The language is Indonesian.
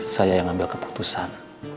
saya yang ambil keputusan